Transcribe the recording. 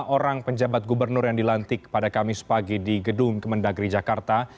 lima orang penjabat gubernur yang dilantik pada kamis pagi di gedung kemendagri jakarta